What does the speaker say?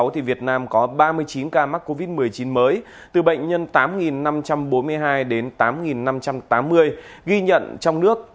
việt nam có ba mươi chín ca mắc covid một mươi chín mới từ bệnh nhân tám năm trăm bốn mươi hai đến tám năm trăm tám mươi ghi nhận trong nước